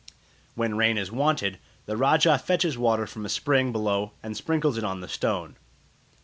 When rain is wanted, the rajah fetches water from a spring below and sprinkles it on the stone.